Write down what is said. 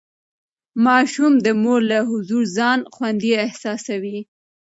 ماشوم د مور له حضور ځان خوندي احساسوي.